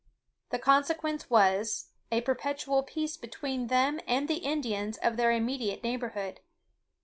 The consequence was, a perpetual peace between them and the Indians of their immediate neighbourhood.